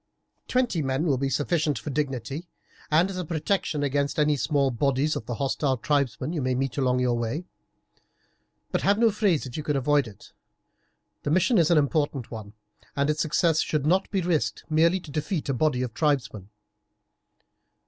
Twenty men will be sufficient for dignity, and as a protection against any small bodies of the hostile tribesmen you may meet on your way; but have no frays if you can avoid it. The mission is an important one, and its success should not be risked merely to defeat a body of tribesmen.